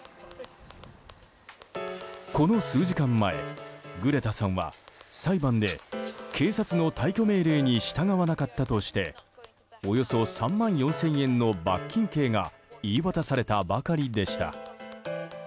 この数時間前、グレタさんは裁判で警察の退去命令に従わなかったとしておよそ３万４０００円の罰金刑が言い渡されたばかりでした。